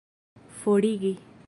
forigi